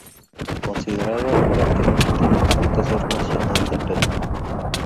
Considerada durante mucho tiempo un tesoro nacional del Perú.